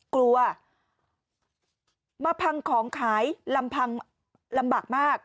กลัวมาพังของขายลำพังลำบากมาก